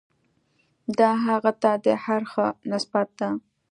دا هغه ته د هر ښه نسبت ده.